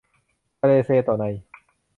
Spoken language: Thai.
ทะเลเซโตะใน